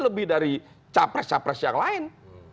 lebih dari capres capres yang lain